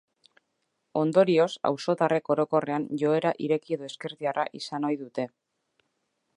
Ondorioz, auzotarrek orokorrean joera ireki edo ezkertiarra izan ohi dute.